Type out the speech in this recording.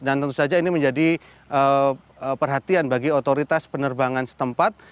dan tentu saja ini menjadi perhatian bagi otoritas penerbangan setempat